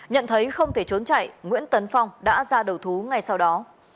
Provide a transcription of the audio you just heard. nhận thấy không thể trốn chạy nguyễn tấn phong đã ra đầu thú ngay sau đó